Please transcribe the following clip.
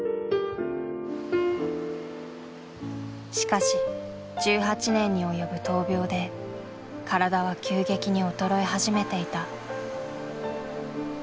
しかし１８年に及ぶ闘病で体は急激に衰え始めていた。